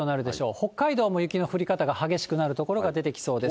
北海道も雪の降り方が激しくなる所が出てきそうです。